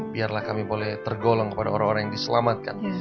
biarlah kami boleh tergolong kepada orang orang yang diselamatkan